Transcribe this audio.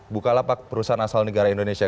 bukalapak perusahaan asal negara indonesia